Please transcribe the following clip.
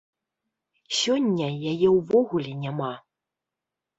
Сёння яе ўвогуле няма.